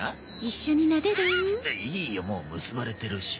いいよもう結ばれてるし。